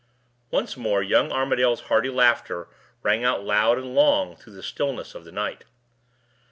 Once more young Armadale's hearty laughter rang out loud and long through the stillness of the night.